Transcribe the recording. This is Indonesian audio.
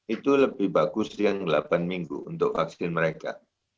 itu lebih bagus yang delapan minggu untuk vaksin mereka